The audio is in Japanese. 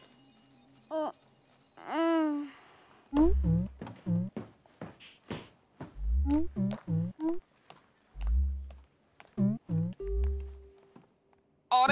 ううん。あれ？